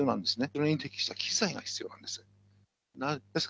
それに適した機材が必要なんです。